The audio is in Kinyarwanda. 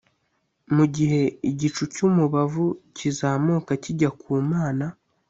, mu gihe igicu cy’umubavu kizamuka kijya ku Mana.